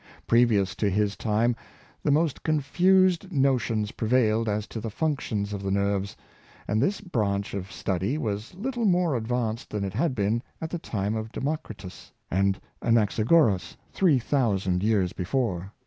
Previous to his time, the most confused notions prevailed as to the functions of the nerves, and this branch of study was little more advanced than it had been at the time of Democritus and Anaxagoras three thousand years before.